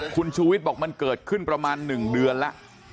คุณชูวิทย์บอกมันเกิดขึ้นประมาณ๑เดือนแล้ว